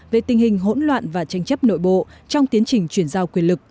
về tình hình hỗn loạn và tranh chấp nội bộ trong tiến trình chuyển giao quyền lực